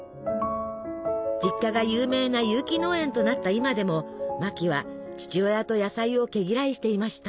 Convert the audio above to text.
実家が有名な有機農園となった今でもマキは父親と野菜を毛嫌いしていました。